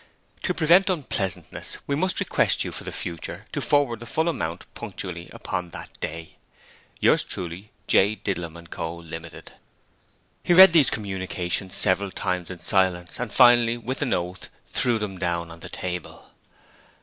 To prevent unpleasantness, we must request you for the future to forward the full amount punctually upon that day. Yours truly, J. DIDLUM & CO. LTD He read these communications several times in silence and finally with an oath threw them down on the table.